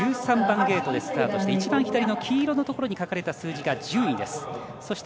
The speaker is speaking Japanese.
１３番ゲートでスタートし一番左の黄色のところに書かれた数字が１０位です。